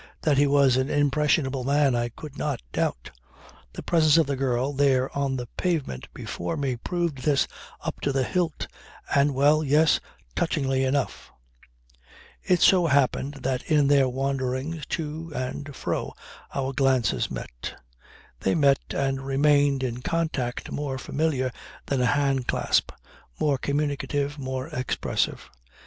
That he was an impressionable man I could not doubt. The presence of the girl there on the pavement before me proved this up to the hilt and, well, yes, touchingly enough. It so happened that in their wanderings to and fro our glances met. They met and remained in contact more familiar than a hand clasp, more communicative, more expressive.